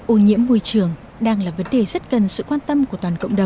ô nhiễm môi trường đang là vấn đề rất cần sự quan tâm của toàn cộng đồng